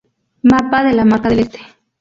Mapa de la Marca del Este